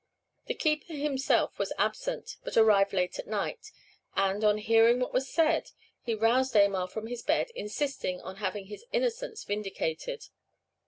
The keeper himself was absent, but arrived late at night, and, on hearing what was said, he roused Aymar from his bed, insisting on having his innocence vindicated.